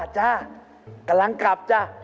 จ้ากำลังกลับจ้ะ